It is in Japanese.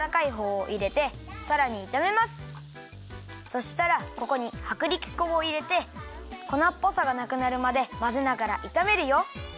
そしたらここにはくりき粉をいれて粉っぽさがなくなるまでまぜながらいためるよ。